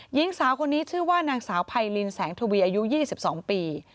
หญิงสาวคนนี้ชื่อว่านางสาวไพรินแสงทวีอายุ๒๒ปี